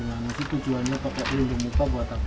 nah masih tujuannya pakai pelindung muka buat apa